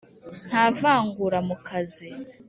Nta vangura mu kazi.